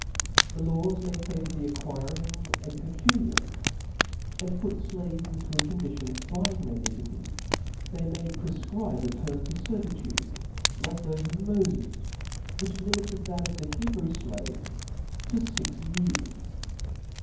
The laws may fa vour the acquiring a peculium^ and put (laves inio a condition of buying their liberty : they may prefcribe a term to fervitude likethofc of Mofes, (OExodus which limited that of the () Hebrew flaves to i' fix years.